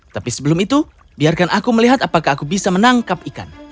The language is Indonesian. tapi sebelum itu biarkan aku melihat apakah aku bisa menangkap ikan